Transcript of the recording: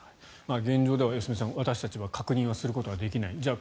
現状では良純さん私たちは確認することができないじゃあ